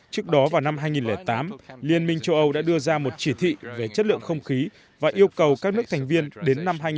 trước đó vào năm hai nghìn tám liên minh châu âu đã đưa ra một chỉ thị về chất lượng không khí và yêu cầu các nước thành viên đến năm hai nghìn hai mươi